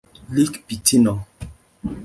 rick pitino